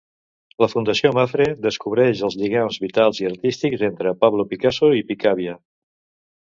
La Fundació Mapfre descobreix els lligams vitals i artístics entre Pablo Picasso i Picabia.